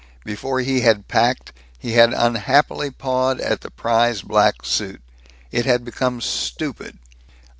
Before he had packed, he had unhappily pawed at the prized black suit. It had become stupid.